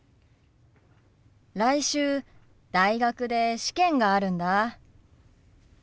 来週大学で試験があるんだ。